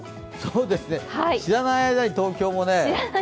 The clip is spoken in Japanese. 知らない間に東京もね。